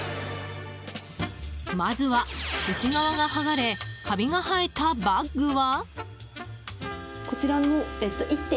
まずは、内側が剥がれカビが生えたバッグは？